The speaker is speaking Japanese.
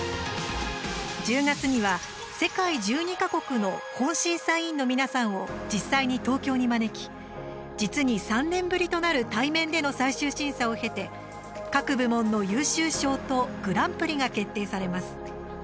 １０月には、世界１２か国の本審査委員の皆さんを実際に東京に招き実に３年ぶりとなる対面での最終審査を経て各部門の優秀賞とグランプリが決定されます。